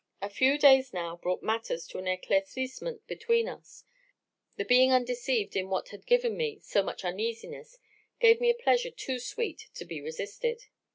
"A few days now brought matters to an eclaircissement between us; the being undeceived in what had given me so much uneasiness gave me a pleasure too sweet to be resisted.